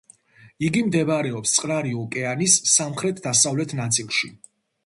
იგი მდებარეობს წყნარი ოკეანის სამხრეთ-დასავლეთ ნაწილში.